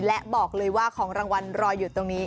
และบอกเลยว่าของรางวัลรออยู่ตรงนี้